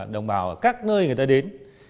đồng bào ở các nơi người ta đến